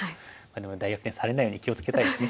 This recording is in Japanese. でも大逆転されないように気を付けたいですね。